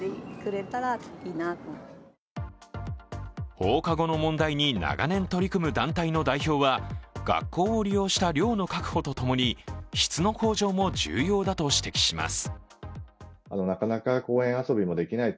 放課後の問題に長年取り組む団体の代表は、学校を利用した量の確保とともに質の向上も重要だと指摘します。